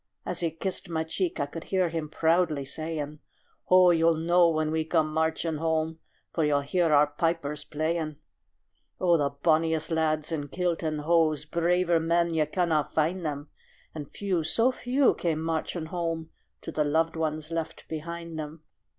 As he kissed my cheek, I could hear him proudly saying: "Ho! you'll know when we come marching home, For you'll hear our pipers playing." Oh, the bonniest lads in kilt and hose Braver men, you cannot find them And few, so few, came marching home To the loved ones left behind them.